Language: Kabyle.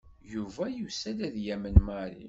Yuba yusa-d ad yamen Mary.